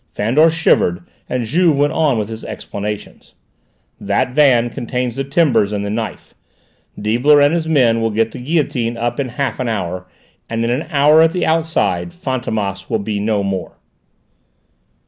Fandor shivered, and Juve went on with his explanations. "That van contains the timbers and the knife. Deibler and his men will get the guillotine up in half an hour, and in an hour at the outside, Fantômas will be no more!"